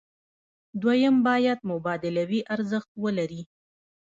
دویم باید مبادلوي ارزښت ولري.